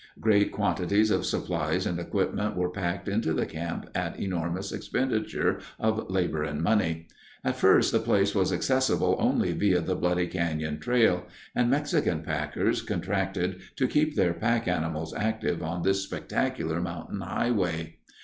Great quantities of supplies and equipment were packed into the camp at enormous expenditure of labor and money. At first the place was accessible only via the Bloody Canyon trail, and Mexican packers contracted to keep their pack animals active on this spectacular mountain highway.